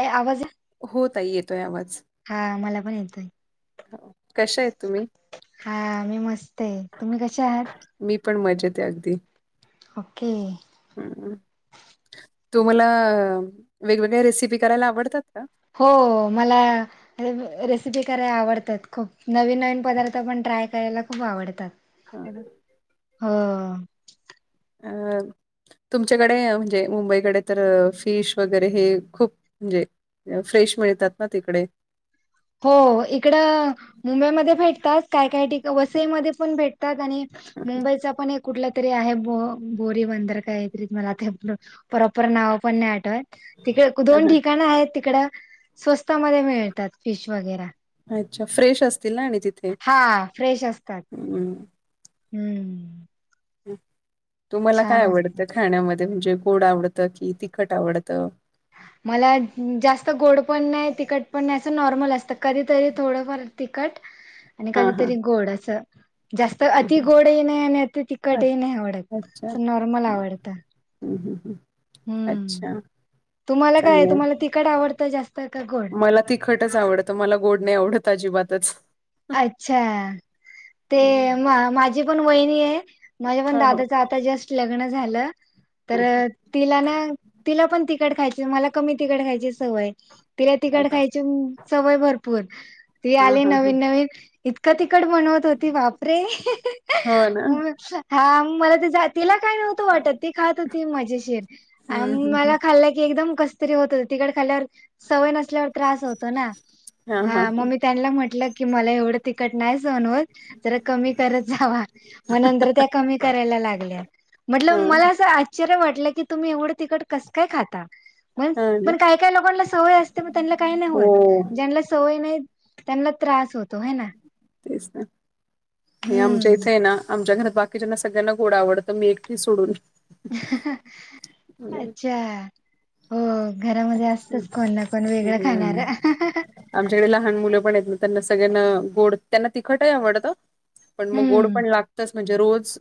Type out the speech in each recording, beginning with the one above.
ए आवाज आहे? हो. ताई येतोय आवाज. हा. मला पण येतोय. हो. कशा आहेत तुम्ही? हा. मी मस्तए तुम्ही कशा आहात? मी पण मजेत ए अगदी. ओके. तू मला वेगवेगळ्या रेसिपी करायला आवडतात का? हो. मला - - रेसिपी करायला आवडतात खूप. नवीन नवीन पदार्थ पण ट्राय करायला खूप आवडतात. हो. हो अ - - तुमच्याकडे म्हणजे मुंबईकडे तर फिश वगैरे हे खूप म्हणजे फ्रेश मिळतात ना तिकडे. हो. इकडं मुंबईमध्ये भेटतात काय काय ठिक वसईमध्ये पण भेटतात आणि मुंबईचा पण एक कुठलं तरी आहे बो बोरी बंदर कायतरी मला ते प्रॉपर नाव पण नाही आठवत. तिकडे हां, दोन हां. ठिकाणं आहेत तिकड स्वस्तामध्ये मिळतात फिश वगैरा. अच्छा फ्रेश असतील ना आणि तिथे, हा फ्रेश असतात हम. हम्म. तुम्हाला काय छान असतं. आवडतं खाण्यामध्ये म्हणजे गोड आवडतं कि तिखट आवडतं? मला जास्त गोड पण नाही. तिखट पण नाही. असं नॉर्मल असतं कधीतरी थोडंफार तिखट. [inaudible] आणि कधीतरी गोड असं जास्त अति गोडही नाही आणि अति तिखटही अच्छा नाही आवडत, नॉर्मल आवडत. हम ह हं. हम्म तुम्हाला काय आहे तुम्हाला तिकट आवडतं जास्त का गोड. मला तिखटच आवडतं मला गोड नाही आवडत अजिबातच अच्छा ते म हो माझी पण वहिणी आहे. माझ्या पण हो दादाचं आता जस्ट लग्न झालं. तर ह तिला ना तिला पण तखट खायची मला कमी तखट खायची सवय - - तिला तिकड अच्छा खायची सवय भरपूर. ती हा आली हा ह नवीन नवीन इतकं तिकड बनवत होती बापरे हो ना हा मला ती जा तिला काय नव्हतं वाटत ती खात होती मजेशीर हम्म हम्म हम्म. मला खाल्ल की एकदम कस कसतरी होत तिखट खाल्यावर सवय नसल्यावर त्रास होतो ना हा हा हां मग ह मी त्यांना म्हटलं कि मला एवढं तिकट नाही सहन होत जरा कमी करत जावा. मग नंतर त्या कमी करायला लागल्या. म्हटल हा मला असं आश्चर्य वाटलं की तुम्ही एवढं तिकट कसं काय खाता? म हा ना पण काही काही लोकांना सवय असते मग त्यांना काही नाही हो होत. ज्यांना सवय नाही त्यांना त्रास होतो हाय ना. तेच ना नाही आमच्या हम्म. इथय ना आमच्या घरात बाकीच्यांना सगळ्यांना गोड आवडतं मी एकटी सोडून. नाही. अच्छा हो. घरामध्ये असतच कोण ना कोण वेगळं हम्म खाणार. आमच्याकडे लहान मुलं पण येत ना त्यांना सगळ्यांना गोड त्यांना तिखटही आवडतं पण मग गोड हम्म पण लागतच. म्हणजे रोज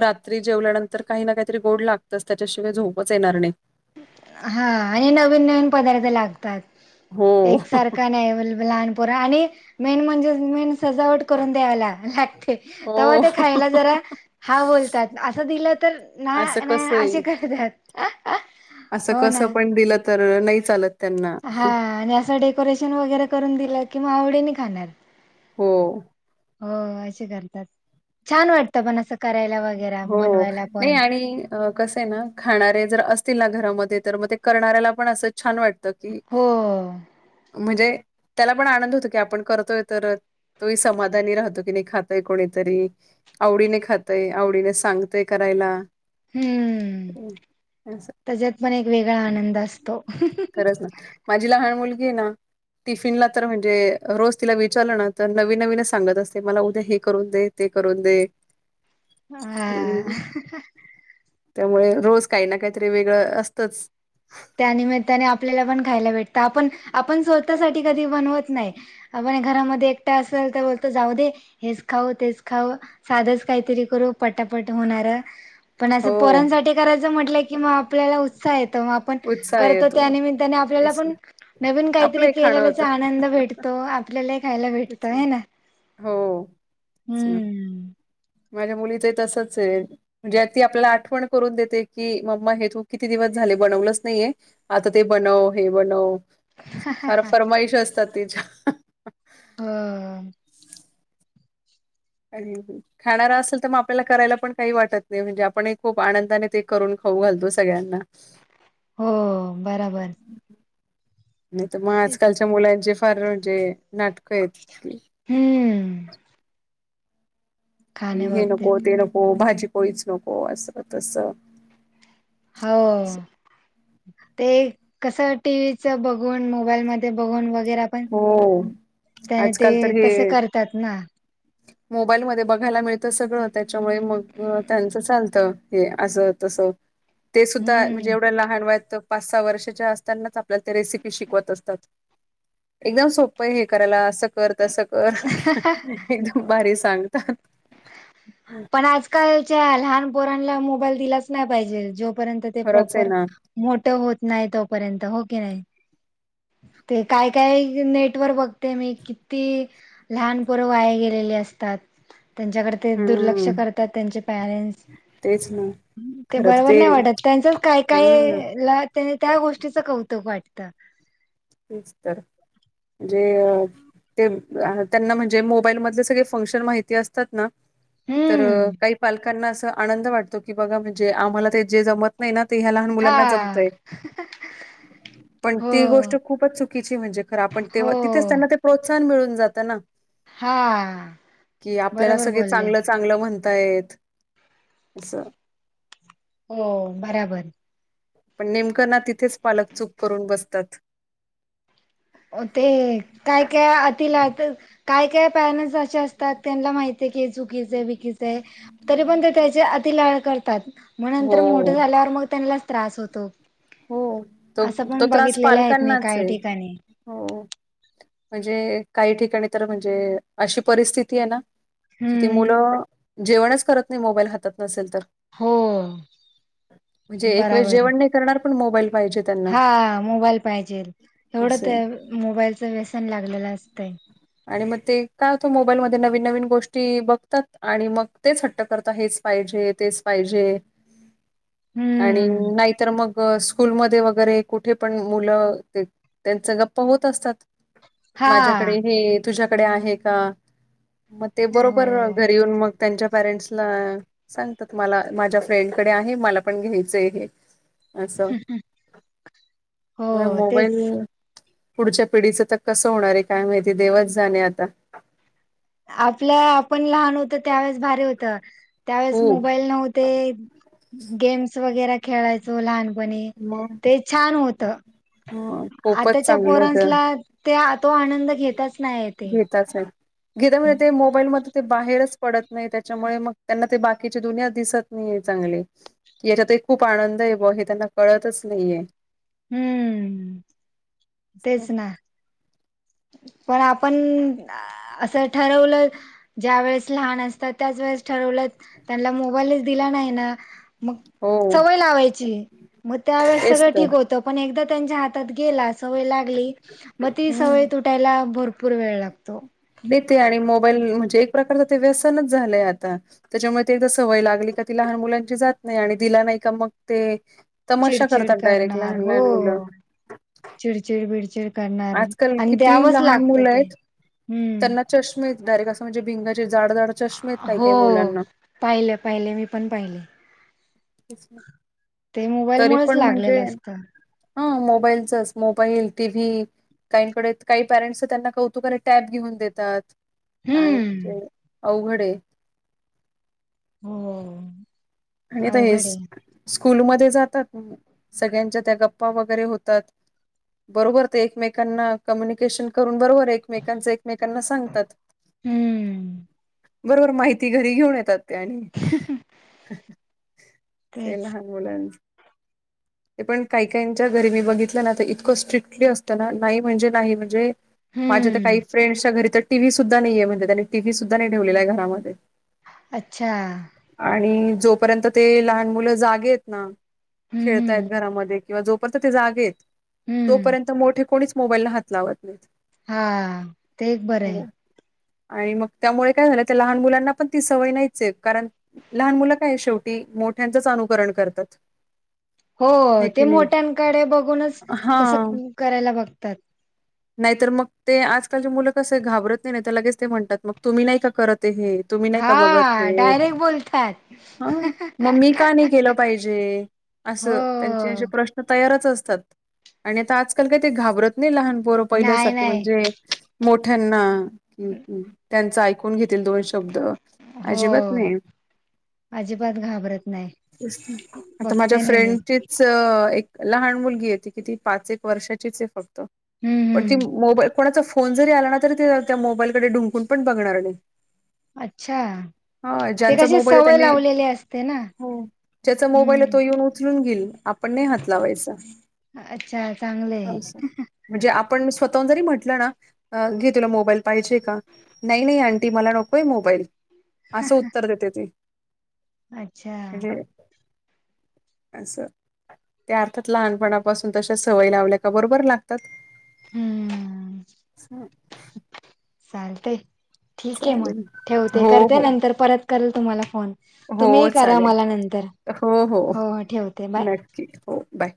रात्री जेवल्यानंतर काही ना काहीतरी गोड लागतच त्याच्याशिवाय झोपच येणार नाही. हा आणि नवीन नवीन पदार्थ लागतात हो एकसारखं का नाही अवलेबल लहान पोर आणि मेन म्हणजे मेन सजावट करून द्यावी ला लागती तवा हो ते खायला जरा हा बोलतात असं दिलं तर ना असं ना कसं आहे असे करतात. असं हो ना कसं पण दिलं तर नाही चालत. त्यांना हा आणि असं डेकोरेशन वगैरे करून दिलं कि मग आवडीने खाणार. हो. हो असे करतात छान वाटतं पण असं करायला व हो नाही आणि अ कसं आहे ना खाणारे जर असतील ना घरामध्ये तर मग ते करणाऱ्याला पण अस छान वाटत की हो म्हणजे त्याला पण आनंद होतो की आपण करतोय तर तोही समाधानी राहतो की नाही खातय कोणीतरी आवडीने खातय, आवडीने सांगतय करायला. हम्म अस त्याच्यात पण एक वेगळा आनंद असतो. खरंच ना माझी लहान मुलगीय ना टिफिनला तर म्हणजे रोज तिला विचारलं ना तर नवीन नवीनच सांगत असते मला उद्या हे करून दे. ते करून दे. हम्म... हा त्यामुळे रोज काही ना काहीतरी वेगळं असतंच त्यानिमित्ताने आपल्याला पण खायला भेटतं, आपण... आपण स्वतःसाठी कधी बनवत नाई आपण घरामधी एकटं असल तर बोलतो, जाऊ दे हेच खाऊ तेच खाऊ साधंच काहीतरी करू पटापट होणारं, पण हो असं पोरांसाठी करायचं म्हटलं की आपल्याला उत्साह येतो आपण उत्साह करतो येतो त्या निमित्ताने आपल्याला तेच पण ना नवीन आपलं काहीतरी एक खाणं होतं केलेल्याचा आनंद भेटतो तो आपल्यालाही खायला भेटतं हाय ना? हो ते ना हम्म. माझ्या मुलीचं ही तसंच ए म्हणजे ती, आपल्याला आठवण करून देते की, मम्मा हे तू किती दिवस झाले बनवलंच नाहीये आता ते बनव... हे बनव... फार फरमाईश असतात तिच्या अ अ. आडवी येतीस. खाणारा असेल, तर मग आपल्याला करायला पण काही वाटत नाही, म्हणजे आपण ही खूप आनंदाने ते करून खाऊ घालतो सगळ्यांना. [inaudible] हो बराबर. नाही तर मग आजकालच्या मुलांचे फार म्हणजे नाटकं आहेत. हम्म हे खाण्याबाबतीत नको... ते नको, भाजी पोळीच नको, असं तसं हाव. ते कसं टीव्हीचं बघून, मोबाईलमधे बघून मग वगैरे आपण, हो त्याने ते आजकाल तर तसं हे करतात ना [inaudible] मोबाईलमध्ये बघायला मिळतं सगळं, त्याच्यामुळे मग त्यांचं चालतं, हे असं तसं [inaudible] ते सुद्धा म्हणजे हम्म एवढ्या लहान वयात, पाच सहा वर्षाच्या असतानाच, आपल्याला ते रेसिपी शिकवत असतात. एकदम सोप ए हे करायला. असं कर, तसं कर एकदम भारी सांगतात पण आजकालच्या लहान पोरांना मोबाईल दिलाच नाई पाहिजे, जोपर्यंत ते खरंच आहे प्रॉपर ना मोठं होत नाही, तोपर्यंत हो की नाही? ते काय काय नेट वर बघते मी किती? लहान पोरं वाया गेलेली असतात त्यांच्याकडे ते दुर्लक्ष हम्म करतात. त्यांचे पॅरेंट्स तेच ना ते खरं तर बरोबर नाही वाटत, त्यांचंच काय काय हम्म ए लाख त्यांना त्या गोष्टीचं कौतुक वाटतं. तेच तर म्हंजे ते त्यांना म्हणजे मोबाईल मधले सगळे फंक्शन माहिती असतात ना तर हम्म काही पालकांना असं आनंद वाटतो, की बघा म्हणजे आम्हाला ते जे जमत महिना ना ते ह्या लहान मुलांना हा जमतय, पण ती हो गोष्ट खूपच चुकीची म्हणजे खरं आपण हो तेव्हा, तिथेच त्यांना ते प्रोत्साहन मिळून जातं ना हा कि आपल्याला बरोबर सगळे बोलले चांगलंच चांगलं म्हणतायेत असं हो बराबर पण नेमकं ना, तिथेच पालक चूक करून बसतात. ते काय काय अती लाड? काय काय पॅरेंट्स अस च असतात त्यांना माहितीए की, हे चुकीचं हाय बिकीच हाय तरी पण ते त्याचे अति लाड करतात. मग हो नंतर मोठं झाल्यावर मग त्यांनलाच त्रास होतो. हो तो असं तो पण त्रास बघितलेलं आहेत मी पालकांनाच काही हय. ठिकाणी हो म्हणजे काही ठिकाणी तर, म्हणजे अशी परिस्थिती ए ना कि ते हम्म मुलं जेवणच करत नई, मोबाईल हातात नसेल तर हो म्हणजे एक वेळेस बराबर जेवण नाई करणार, पण मोबाईल पाहिजेत. हा मोबाईल पाहिजेल, एवढं असं ते आहे मोबाईलचं व्यसन लागलेलं असतंय आणि मग ते काय होतं? मोबाईल मधे नवीन नवीन गोष्टी बघतात आणि मग तेच हट्ट करतात हेच? पाहिजे तेच पाहिजे आणि हम्म नाहीतर मग. बस, स्कूलमध्ये वगैरे कुठे पण मुलं त्यांच गप्पा होत असतात. माझ्याकडे हा हे तुझ्याकडे आहे का? मग ते बरोबर हो घरी येऊन मग त्यांच्यात पॅरेंट्सना सांगतात. मला माझ्या फ्रेंड कडे आहे मला पण घ्यायचंय हे असं हो म मोबाईल तेच पुढच्या पिढीचं तर कसं होणार आहे काय माहिती देवच जाणे आता आपलं आपण लहान होतं त्यावेेळेस भारी होत त्यावेेळेस हो. मोबाईल नव्हते गेम्स वगैरे खेळायचो लहान पणी मग ते छान होतं, खूपच आताच्या चांगलं होतं. पोरान्सला ते, तो आनंद घेतच नाहीयेतं ते [inaudible] ते बाहेरच पडत नाही. त्याच्यामुळे मग त्यांना ते बाकीची दुनिया दिसत नाई ये चांगली हे याच्यातही खूप आनंद आहे. ब हे त्यांना कळतच नाहीये. हुं म तेच ना. पण आपण असं ठरवलंच. ज्या वेळेस लहान असतात, त्याच वेळेस ठरवलं, त्यांना मोबाईलच दिला नाही ना मग हो सवय लावायची मग त्यावेेळेस तेच सगळें तर ठीक होत तो पण एकदा त्यांच्या हातात गेला सवय लागली मग ती सवय. हम्म. त्याला भरपूर वेळ लागतो. देते आणि मोबाईल म्हणजे एक प्रकारच ते व्यसनच झालंय आता त्याच्यामुळे ते जर सवय लागली का ती लहान मुलांची जात नाही आणि दिला नाही का मग ते तमाशा चिडचिड करतात डायरेक्ट करणार लहान हो लहान मुलं चिडचिड बिडचिड करणार आजकाल आणि किती द्यावाच लहान लागतं मुलं ते आहेत हम्म त्यांना चष्मे डायरेक्ट असं म्हणजे भिंगाचे जाड जाड चष्मे आहेत काही हो काही मुलांना. पाहिलं पाहिले मी पण पाहिले कसलं ते मोबाईल मुळंच लागलेलं असतं. हा मोबाईलचच मोबाईल टी व्ही. काहीकडे काही पॅरेंट्स त्यांना कौतुकाने टॅब घेऊन देतात काय हम्म म्हणजे. अवघड हे हो.. आणि आता हे अवघड आहे स्कूलमध्ये जातात सगळ्यांच्या त्या गप्पा वगैरे होतात. बरोबर ते एकमेकांना कम्युनिकेशन करून बरोबर. एकमेकांच एकमेकांना सांगतात. हम्म बरोबर माहिती घरी घेऊन येतात ते आणि. ते तेच लहान मुलांचं ते पण काही काहीच्या घरी मी बघितलं ना तर इतकं स्ट्रिक्टली असतं ना नाही म्हणजे नाही म्हणजे माझ्या तर हम्म काही फ्रेंड्सच्या घरी तर टीव्ही सुद्धा नाहीे म्हणजे त्यांनी टीव्ही सुद्धा नाही ठेवलेला आहे घरामध्ये अच्छा आणि जोपर्यंत ते लहान मुलं जागेत ना हम्म त्याच हम्म घरामध्ये किंवा जोपर्यंत ते जागेत हम्म तोपर्यंत मोठे कोणीच हात लावत [inaudible] हा ते एक बरं आहे हो. आणि मग त्यामुळे काय झालं त्या लहान मुलांना पण ती सवय नाहीच हे कारण लहान मुलं काय शेवटी मोठ्यांचंच अनुकरण करतात हो हे ते की नाही मोठ्यांकडे बघूनच हा तसं करायला बघतात नाहीत तर मग ते आजकालचे मुलं कस घाबरत नाही ते लगेच ते म्हणतात मग तुम्ही नाही का करत हे तुम्ही नाही का बघत हा हे डायरेक्ट बोलतात ह मग मी का नाही केलं. पाहिजे हो असं, त्यांचे त्यांचे प्रश्न तयारच असतात आणि आता आजकाल काय ते घाबरत नाही लहान पोरं नाही पहिल्यासारखे नाही म्हणजे मोठ्यांना क- त्यांचं ऐकून घेतील दोन शब्द हो अजिबात नाही. अजिबात घाबरत नाही आता माझ्या बघते ना मी फ्रेंडचीच एक लहान मुलगी हे ती कि ती पाच एक वर्षाचीच आहे फक्त- हम्म पण ती हम्म मोबाल कोणाचा फोन जरी आला ना तरी ते त्या मोबाईलकडे डुंकून पण बघणार नाही. अच्छा. ह ते ज्यांचा कशी मोबाईल आहे सवय त्यांनी लावलेली असते ना हो ज्याचा मोबाईल आहे तो हम्म येऊन उचलून गेईल. आपण नाही हात लावायचा. अच्छा चांगले म्हणजे आपण स्वतःहून जरी म्हटलं ना घे तुला मोबाईल पाहिजे का नाही नाही अंटी मला नकोय मोबाईल असं उत्तर देते ती.... अच्छा म्हणजे. असं त्या अर्थात लहानपणापासून तशा सवय लावल्या का बरोबर लागतात. हम्म हं, चालतय. ठीक आहे मग चालेल. ठेवते हो, करते हो. नंतर परत करेल तुम्हाला फोन, तुम्ही हो, करा चालेल. मला नंतर हो ठेवते बाय. क हो बाय.